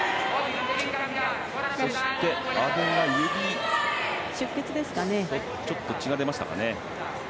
そして、阿部が指をちょっと血が出ましたかね。